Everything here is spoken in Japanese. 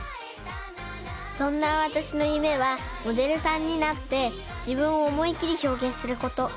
そんなわたしのゆめはモデルさんになってじぶんをおもいっきりひょうげんすること。